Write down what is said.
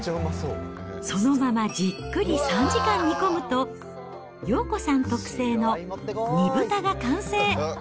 そのままじっくり３時間煮込むと、洋子さん特製の煮豚が完成。